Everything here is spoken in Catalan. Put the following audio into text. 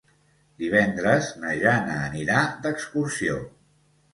Divendres na Jana anirà d'excursió.